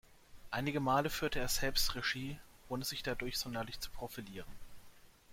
Einige Male führte er selbst Regie, ohne sich dadurch sonderlich zu profilieren.